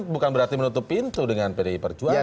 bukan berarti menutup pintu dengan pdi perjuangan